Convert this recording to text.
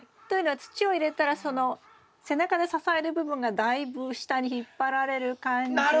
というのは土を入れたらその背中で支える部分がだいぶ下に引っ張られる感じが。